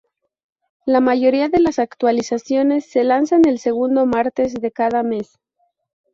La mayoría de las actualizaciones se lanzan el segundo martes de cada mes.